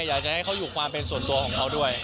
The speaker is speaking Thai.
อยากจะให้เขาอยู่ความเป็นส่วนตัวของเขาด้วย